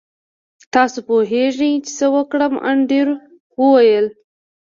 تاسو پوهیږئ چې څه وکړم انډریو وویل